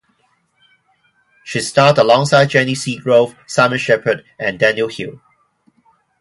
She starred alongside Jenny Seagrove, Simon Shepherd and Daniel Hill.